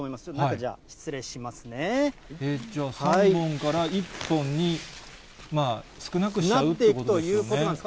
じゃあ、３本から１本に少ななっていくということなんですが。